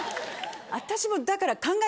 私もだから。